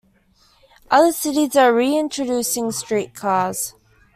Other cities are re-introducing streetcars.